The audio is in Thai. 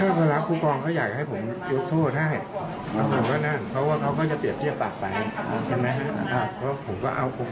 ทำไมอ่ะเพราะผมก็เอาโอเคก็ล่ะจบจบ